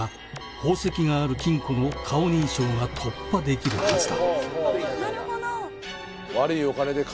「宝石がある金庫の顔認証が突破できるはずだ」